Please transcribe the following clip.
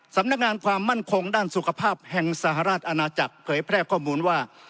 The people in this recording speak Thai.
สำนักงานความมั่นคงด้านสุขภาพแห่งสหราชอาณาจักรเผยแพร่ข้อมูลว่า